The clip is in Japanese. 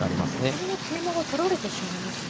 これは桂馬が取られてしまいますね。